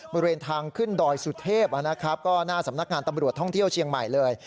มาเรียนทางขึ้นดอยสุเทพฯหน้าสำนักงานตำรวจท่องเที่ยวเชียงใหม่เลย